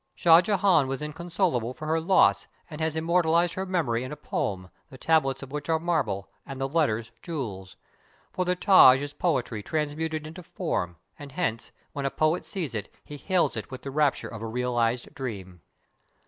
Shah Jehan was inconsolable for her loss and has immortalized her memory in a poem, the tablets of which are marble, and the letters jewels: — for the Taj is poetry^ transmuted into form, and hence, when a poet sees it he hails it with the rapture of a realized dream.